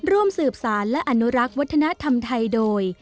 ร่วมสืบสารและอนุรักษ์วัฒนธรรมไทยโดย